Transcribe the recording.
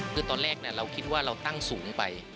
คือตอนแรกเราคิดว่าเราตั้งสูงไป